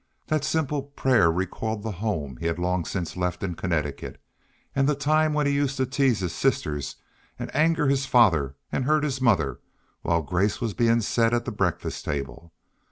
That simple prayer recalled the home he had long since left in Connecticut, and the time when he used to tease his sister and anger his father and hurt his mother while grace was being said at the breakfast table.